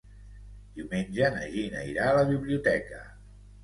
Diumenge na Gina irà a la biblioteca.